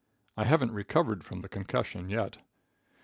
I haven't recovered from the concussion yet.